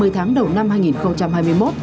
một mươi tháng đầu năm hai nghìn hai mươi một